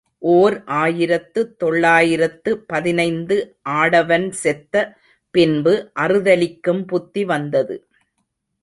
ஓர் ஆயிரத்து தொள்ளாயிரத்து பதினைந்து ஆடவன் செத்த பின்பு அறுதலிக்கும் புத்தி வந்தது.